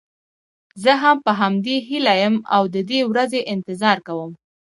زه هم په همدې هیله یم او د دې ورځې انتظار کوم.